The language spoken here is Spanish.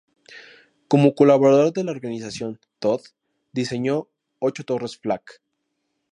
Como colaborador de la Organización Todt diseñó ocho Torres Flak.